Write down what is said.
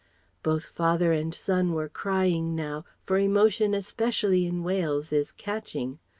Both father and son were crying now, for emotion especially in Wales is catching.